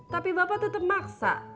tapi bapak tetep maksa